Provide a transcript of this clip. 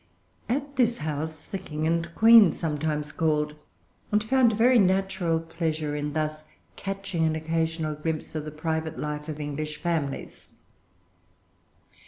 At this house the King and Queen sometimes called, and found a very natural pleasure in thus catching an occasional glimpse of the private life of English families.